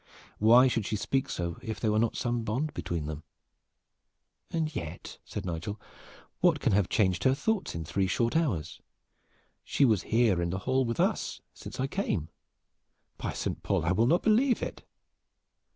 Why should she speak so if there were not some bond between them?" "And yet," said Nigel, "what can have changed her thoughts in three short hours? She was here in the hall with us since I came. By Saint Paul, I will not believe it!"